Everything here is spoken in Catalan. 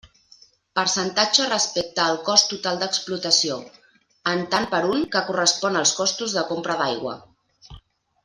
Percentatge respecte al cost total d'explotació, en tant per un, que correspon als costos de compra d'aigua.